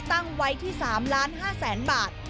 ตั้งไว้ที่๓๕๐๐๐๐บาท